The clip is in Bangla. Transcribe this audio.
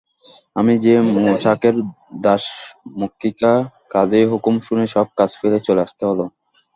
আমি যে মউচাকের দাসমক্ষিকা, কাজেই হুকুম শুনেই সব কাজ ফেলে চলে আসতে হল।